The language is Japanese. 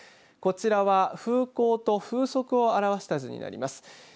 こちらは風向と風速を表した図になります。